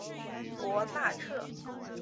博纳克。